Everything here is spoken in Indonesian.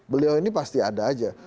beliau ini pasti ada aja